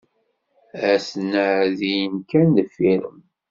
Aten-a din kan deffir-m.